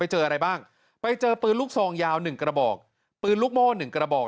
เจออะไรบ้างไปเจอปืนลูกซองยาว๑กระบอกปืนลูกโม่๑กระบอก